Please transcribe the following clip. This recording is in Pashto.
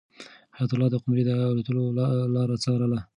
حیات الله د قمرۍ د الوتلو لاره څارله.